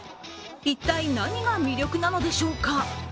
一体何が魅力なのでしょうか。